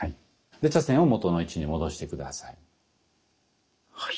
で茶筅を元の位置に戻して下さい。